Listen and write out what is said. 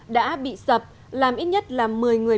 đã bị sập làm ít nhất một mươi người